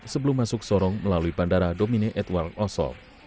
sebelum masuk sorong melalui pandara domine edward osso